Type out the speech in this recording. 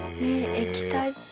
液体？